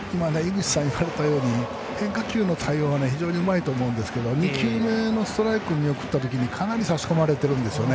変化球の対応は非常にうまいと思うんですけど２球目のストライクを見送ったときにかなり差し込まれているんです。